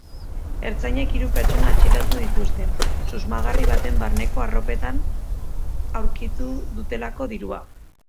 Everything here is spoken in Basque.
Ertzainek hiru pertsona atxilotu dituzte, susmagarri baten barneko arropetan aurkitu dutelako dirua.